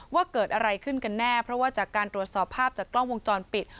ว่าเกิดอะไรขึ้นกันแน่เพราะว่าจากการตรวจสอบภาพจากกล้องวงจรปิด